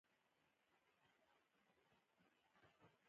هغه د باګرام اوویی غونډه جوړه کړه